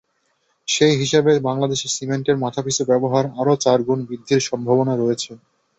সেই হিসাবে বাংলাদেশে সিমেন্টের মাথাপিছু ব্যবহার আরও চার গুণ বৃদ্ধির সম্ভাবনা রয়েছে।